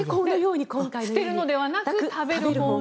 捨てるのではなく食べる方向に。